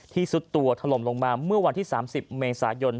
ซุดตัวถล่มลงมาเมื่อวันที่๓๐เมษายน